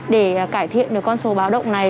để cải thiện được con số báo động này